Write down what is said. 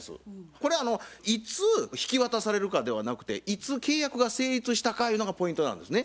これいつ引き渡されるかではなくていつ契約が成立したかゆうのがポイントなんですね。